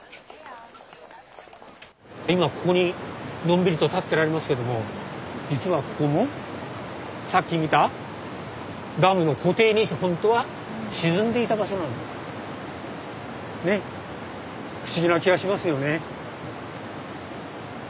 今ここにのんびりと立ってられますけども実はここもさっき見たダムの湖底にほんとは沈んでいた場所なんです。ね不思議な気がしますよね。